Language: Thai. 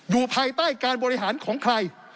อยู่ภายใต้การบริหารของใคร